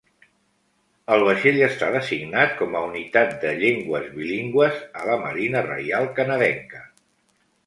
El vaixell està designat com a Unitat de Llengües Bilingües a la Marina Reial Canadenca.